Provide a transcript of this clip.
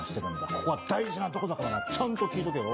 ここは大事なとこだからなちゃんと聞いとけよ。